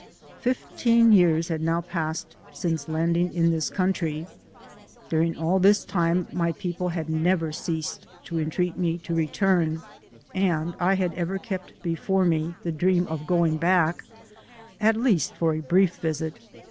FIFTEEN years had now passed since landing in this country. During all this time my people had never ceased to entreat me to return, and I had ever kept before me the dream of going back, at least for a brief visit.